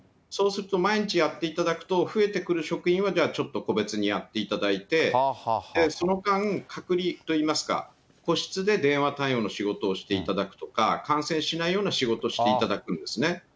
そうすると毎日やっていただくと、増えてくる職員はじゃあちょっと個別にやっていただいて、その間、隔離といいますか、個室で電話対応の仕事をしていただくとか、感染しないような仕事をしていただくんですね。